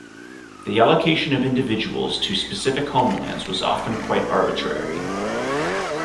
The allocation of individuals to specific homelands was often quite arbitrary.